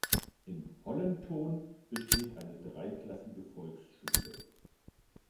In Hollenthon besteht eine dreiklassige Volksschule.